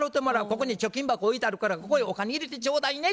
ここに貯金箱置いてあるからここへお金入れてちょうだいね」って言われてんねや。